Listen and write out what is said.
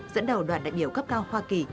dẫn đầu đoàn đại biểu cấp cao hoa kỳ